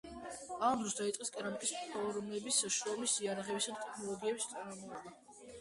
ამ დროს დაიწყეს კერამიკის ფორმების, შრომის იარაღების და ტექნოლოგიების წარმოება.